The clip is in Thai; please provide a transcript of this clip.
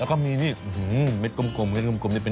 แล้วก็มีนี่เม็ดกลมนี่เป็นไข่ปลาถูกไหม